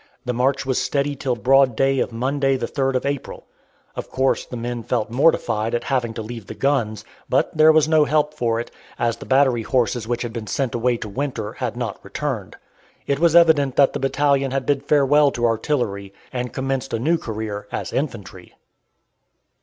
The march was steady till broad day of Monday the 3d of April. Of course the men felt mortified at having to leave the guns, but there was no help for it, as the battery horses which had been sent away to winter had not returned. It was evident that the battalion had bid farewell to artillery, and commenced a new career as infantry.